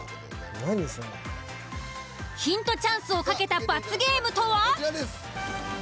ヒントチャンスを懸けた罰ゲームとは？